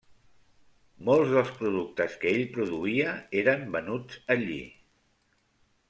Molts dels productes que ell produïa eren venuts allí.